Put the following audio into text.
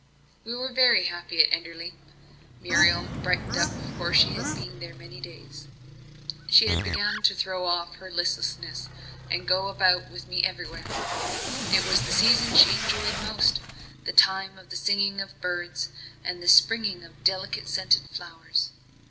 We were very happy at Enderley. Muriel brightened up before she had been there many days. She began to throw off her listlessness, and go about with me everywhere. It was the season she enjoyed most the time of the singing of birds, and the springing of delicate scented flowers.